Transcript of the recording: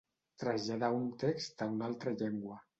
Traslladà un text a una altra llengua.